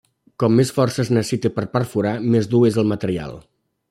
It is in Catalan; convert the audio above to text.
Com més força es necessiti per perforar, més dur és el material.